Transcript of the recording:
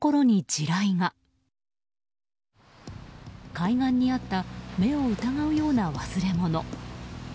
海岸にあった目を疑うような忘れ物。